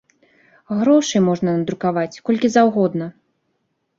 Грошай можна надрукаваць, колькі заўгодна.